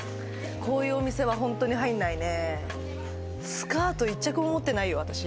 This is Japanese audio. こういうお店はホントに入んないね。